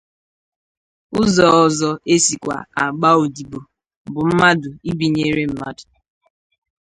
Ụzọ ọzọ esikwa agba odibo bụ mmadụ ibinyere mmadụ